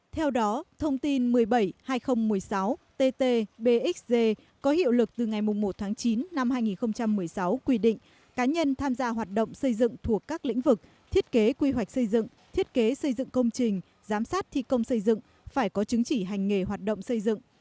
theo đó thông tin một mươi bảy hai nghìn một mươi sáu tt bxg có hiệu lực từ ngày một tháng chín năm hai nghìn một mươi sáu quy định cá nhân tham gia hoạt động xây dựng thuộc các lĩnh vực thiết kế quy hoạch xây dựng thiết kế xây dựng công trình giám sát thi công xây dựng phải có chứng chỉ hành nghề hoạt động xây dựng